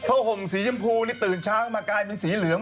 ห่มสีชมพูนี่ตื่นเช้ามากลายเป็นสีเหลือง